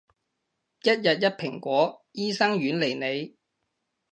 一日一蘋果，醫生遠離你